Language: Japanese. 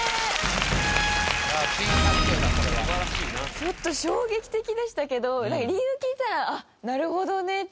ちょっと衝撃的でしたけど理由聞いたらあっなるほどねってなりましたね。